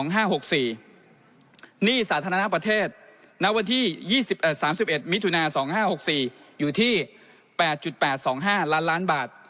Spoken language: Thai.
หนี้สาธารณะประเทศณวันที่๒๓๑มิถุนา๒๕๖๔อยู่ที่๘๘๒๕ล้านล้านบาท